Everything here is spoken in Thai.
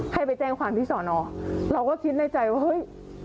ให้ไปแจ้งความที่สอนอเราก็คิดในใจว่าเฮ้ย